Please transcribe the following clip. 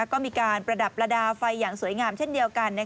ก็มีการประดับประดาษไฟอย่างสวยงามเช่นเดียวกัน